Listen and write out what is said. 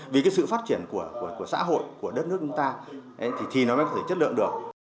vì cái sự phát triển của xã hội của đất nước chúng ta thì nó mới có thể chất lượng được